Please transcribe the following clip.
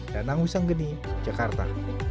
danang wisanggeni jakarta